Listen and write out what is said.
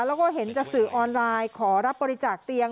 แล้วก็เห็นจากสื่อออนไลน์ขอรับบริจาคเตียง